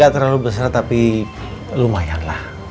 gak terlalu besar tapi lumayanlah